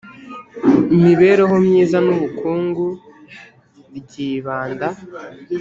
imibereho myiza n ubukungu ryibanda